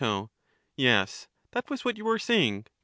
Yes, that was what you were saying.